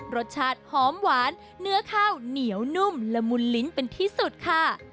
รสชาติหอมหวานเนื้อข้าวเหนียวนุ่มละมุนลิ้นเป็นที่สุดค่ะ